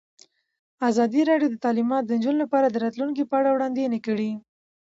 ازادي راډیو د تعلیمات د نجونو لپاره د راتلونکې په اړه وړاندوینې کړې.